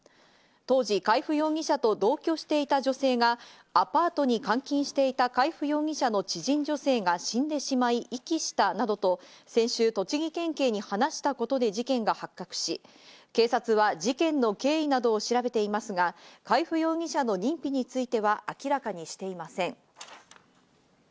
当時、海部容疑者と同居していた女性がアパートに監禁していた海部容疑者の知人女性が死んでしまい、遺棄したなどと先週、栃木県警に話したことで事件が発覚し、警察は事件の経緯などを調べていますが、海部容疑者の認否については明らかにしていません。